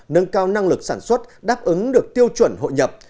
nâng cao năng lực sản xuất đáp ứng được tiêu chuẩn hội nhập